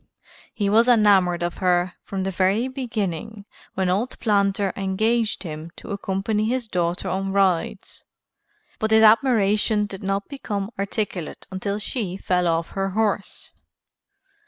He was enamored of her from the very beginning when old Planter engaged him to accompany his daughter on rides, but his admiration did not become articulate until she fell off her horse.